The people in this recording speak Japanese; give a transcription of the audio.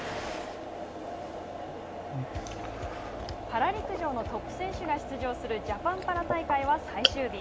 パラ陸上のトップ選手が出場するジャパンパラ大会は最終日。